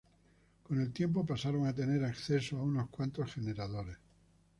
Con el tiempo pasaron a tener acceso a unos cuantos generadores.